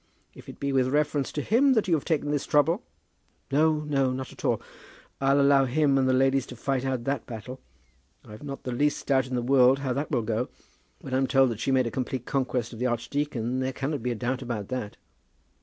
If it be with reference to him that you have taken this trouble " "No, no; not at all. I'll allow him and the ladies to fight out that battle. I've not the least doubt in the world how that will go. When I'm told that she made a complete conquest of the archdeacon, there cannot be a doubt about that."